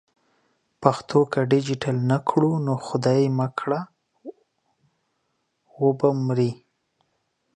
پښتو که ډیجیټل نه کړو نو خدای مه کړه و به مري.